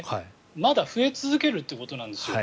まだ増え続けるということです。